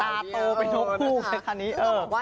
ตาโตไปทบคู่แม่งูเห่าก็มา